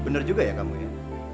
benar juga ya kamu ya